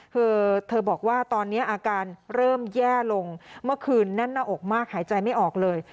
เธอเธอบอกว่าตอนนี้อาการเริ่มแย่ลงเมื่อคืนแน่นหน้าอกมากหายใจไม่ออกเลย